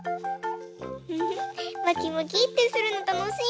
フフまきまきってするのたのしい！